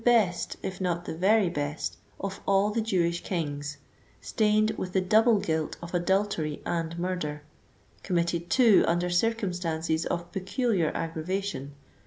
best, if not the very best, of all the Jewish kings, stained with the double guilt of adultery and murder, committed, too, under circumstances of peculiar aggravation, (xi.